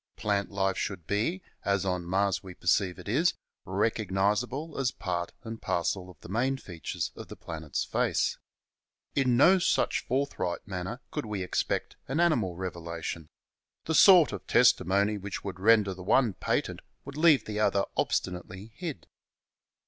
Plant life should be, as on Mars we perceive it is, recognizable as part and parcel of the main features of the planet's face. In no such forthright manner could we expect an animal revelation. The sort of testimony which would render the one patent would leave the other obstinately hid.